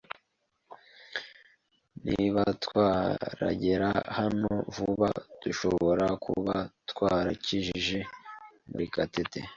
Niba twaragera hano vuba, dushobora kuba twarakijije Murekatete.